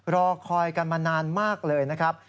รอคอยกันมานานมากเลยนะครับ